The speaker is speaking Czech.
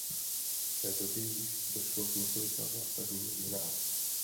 V té době již došlo k několika zásadním změnám.